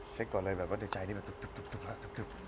ก่อนเลยแบบว่าในใจนี่แบบตึ๊บ